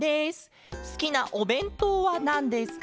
すきなおべんとうはなんですか？